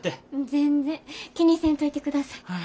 全然気にせんといてください。